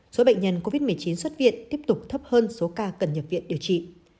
số bệnh nhân covid một mươi chín xuất viện tiếp tục thấp hơn số ca cần nhập viện điều trị